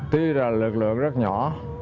tuy là lực lượng rất nhỏ